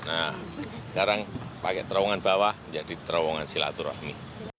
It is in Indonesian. sekarang pakai terowongan bawah jadi terowongan silaturahmi